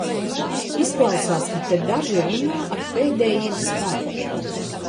Izklausās, ka te daži runā ar pēdējiem spēkiem.